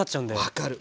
分かる。